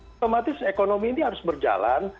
otomatis ekonomi ini harus berjalan